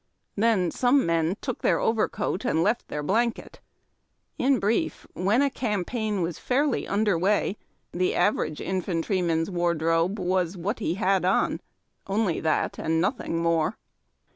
Then some men took their overcoat and left their blanket. In brief, when a campaign was fairly under way the average infantryman's wardrobe was what he had on. Only that and nothing more.